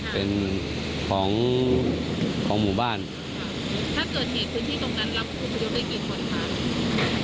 เป็นพื้นที่รองรับออกประยบใช่ไหมคะ